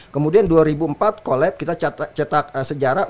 kemudian dua ribu empat kolab kita cetak sejarah